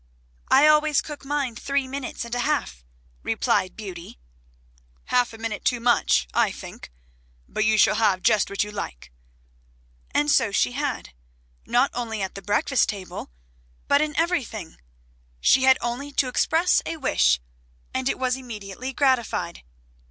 "I always cook mine three minutes and a half," replied Beauty. "Half a minute too much, I think. But you shall have just what you like." And so she had; not only at the breakfast table but in everything. She had only to express a wish and it was immediately gratified.